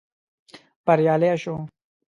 بريالي شوو.